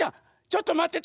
ちょっとまってて！